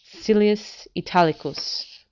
Silius Italicus, xi.